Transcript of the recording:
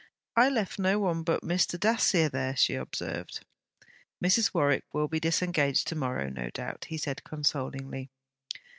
'I left no one but Mr. Dacier there,' she observed. 'Mrs. Warwick will be disengaged to morrow, no doubt,' he said consolingly.